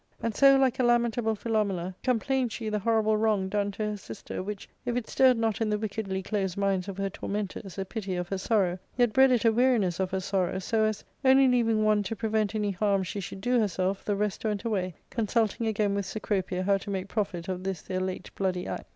And so, like a lamentable Philoitiela, complained she the horrible wrong done to her sister, which, if it stirred not in the wickedly closed minds of her tormentors a pity of her sorrow, yet bred it a weariness of her sorrow, so as, only leaving one to prevent any harm she should do herself, the rest went away, consulting again with Cecropia how to make profit of this their late bloody act.